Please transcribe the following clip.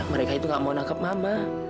mereka tidak mau menangkap mama